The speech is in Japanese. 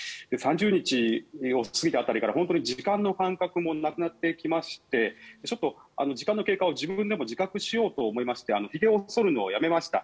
３０日を過ぎた辺りから本当に時間の感覚もなくなってきましてちょっと時間の経過を自分でも自覚しようと思いましてひげを剃るのをやめました。